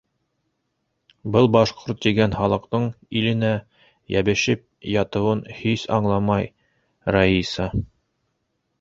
Был башҡорт тигән халыҡтың иленә йәбешеп ятыуын һис аңламай Раиса.